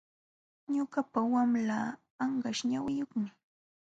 Ñuqapa wamlaa anqaśh ñawiyuqmi.